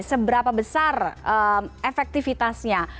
seberapa besar efektivitasnya